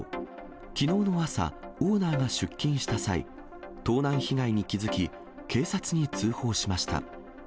きのうの朝、オーナーが出勤した際、盗難被害に気付き、警察に通報しました。